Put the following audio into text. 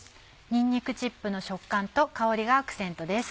にんにくチップの食感と香りがアクセントです。